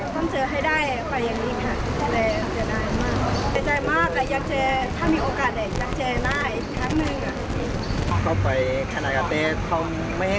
และขอบคุณให้